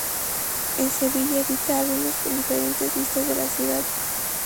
En Sevilla edita álbumes con diferentes vistas de la ciudad.